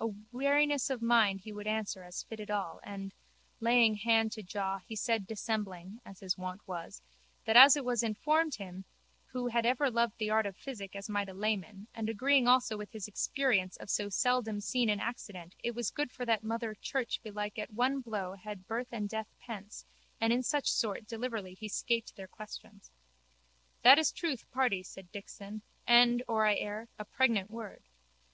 A wariness of mind he would answer as fitted all and, laying hand to jaw, he said dissembling, as his wont was, that as it was informed him, who had ever loved the art of physic as might a layman, and agreeing also with his experience of so seldomseen an accident it was good for that mother Church belike at one blow had birth and death pence and in such sort deliverly he scaped their questions. That is truth, pardy, said Dixon, and, or I err, a pregnant word.